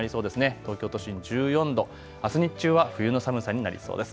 東京都心１４度、あす日中は冬の寒さになりそうです。